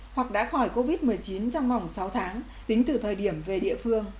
hoặc đã khỏi covid một mươi chín trong vòng sáu tháng tính từ thời điểm về địa phương